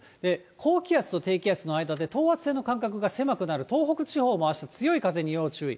高気圧と低気圧の間で、等圧線の間隔が狭くなる、東北地方もあした、強い風に要注意。